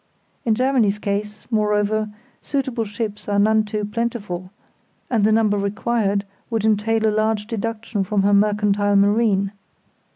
In Germany's case, moreover, suitable ships are none too plentiful, and the number required would entail a large deduction from her mercantile marine.